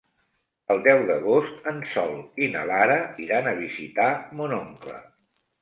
El deu d'agost en Sol i na Lara iran a visitar mon oncle.